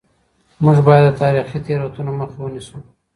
موږ باید د تاریخي تېروتنو مخه ونیسو.